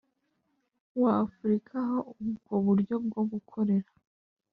w Afurika aho ubwo buryo bwo gukorera